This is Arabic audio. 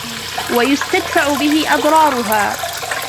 وَيُسْتَدْفَعُ بِهِ أَضْرَارُهَا